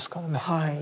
はい。